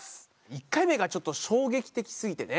１回目がちょっと衝撃的すぎてね。